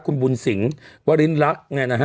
คุณบุญสิงศ์วรินรักษ์